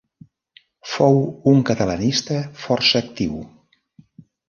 Fou un catalanista força actiu.